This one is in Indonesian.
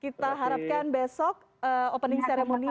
kita harapkan besok opening ceremony